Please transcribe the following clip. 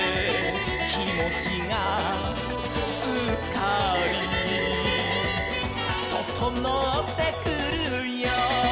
「きもちがすっかり」「ととのってくるよ」